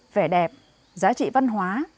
vẻ đẹp giá trị văn hóa